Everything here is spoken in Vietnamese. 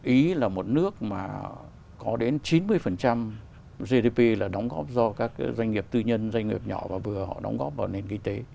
ý là một nước mà có đến chín mươi gdp là đóng góp do các doanh nghiệp tư nhân doanh nghiệp nhỏ và vừa họ đóng góp vào nền kinh tế